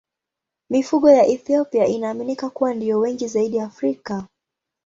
Mifugo ya Ethiopia inaaminika kuwa ndiyo wengi zaidi Afrika.